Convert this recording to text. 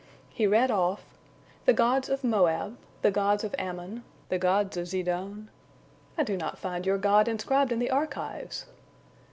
He read off: "The gods of Moab, the gods of Ammon, the gods of Zidon—I do not find your God inscribed in the archives!"